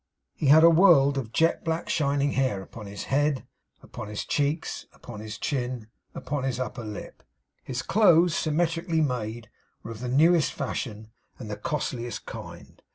He had a world of jet black shining hair upon his head, upon his cheeks, upon his chin, upon his upper lip. His clothes, symmetrically made, were of the newest fashion and the costliest kind.